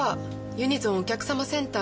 ユニゾンお客様センター